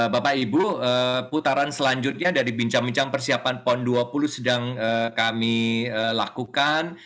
bapak ibu putaran selanjutnya dari bincang bincang persiapan pon dua puluh sedang kami lakukan